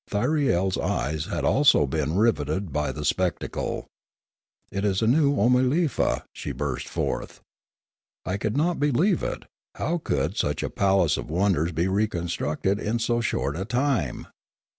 Thyriel's eyes had also been riveted by the spectacle. "It is a new Oomalefa," she burst forth. I could not believe it ; how could such a palace of wonders be reconstructed in so short a time?